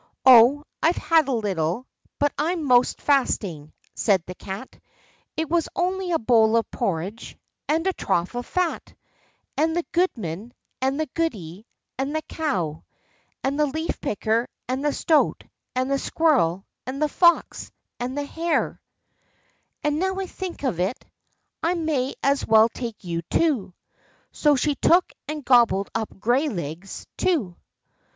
"Oh, I've had a little, but I'm 'most fasting," said the Cat; "it was only a bowl of porridge, and a trough of fat, and the goodman, and the goody, and the cow, and the leaf picker, and the stoat, and the squirrel, and the fox, and the hare—and, now I think of it, I may as well take you too." So she took and gobbled up Graylegs too.